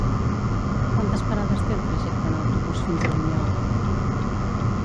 Quantes parades té el trajecte en autobús fins a Linyola?